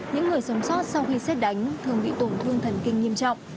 những người sống sót sau khi xét đánh thường bị tổn thương thần kinh nghiêm trọng